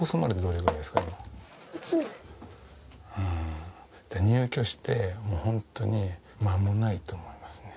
じゃあ入居して、本当に間もないと思いますね。